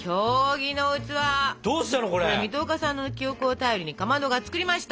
これ水戸岡さんの記憶を頼りにかまどが作りました！